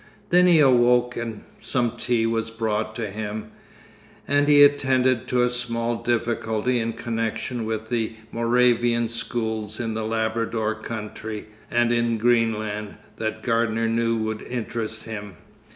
Then he awoke and some tea was brought to him, and he attended to a small difficulty in connection with the Moravian schools in the Labrador country and in Greenland that Gardener knew would interest him.